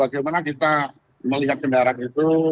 kalau memang bagaimana kita melihat kendaraan itu